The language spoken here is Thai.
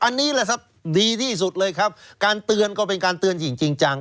อันนี้แสดีที่สุดเลยครับการเตือนก็เป็นการเตือนจริงจัง